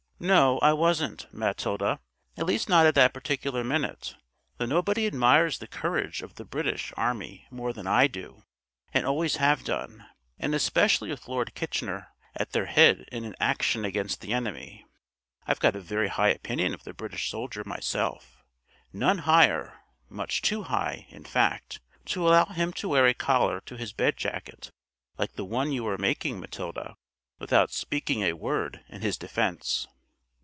"No, I wasn't, Matilda; at least not at that particular minute, though nobody admires the courage of the British Army more than I do, and always have done, and especially with Lord Kitchener at their head and in action against the enemy. I've got a very high opinion of the British soldier myself; none higher: much too high, in fact, to allow him to wear a collar to his bed jacket like the one you are making, Matilda, without speaking a word in his defence."